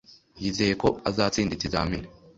Yizeye ko azatsinda ikizamini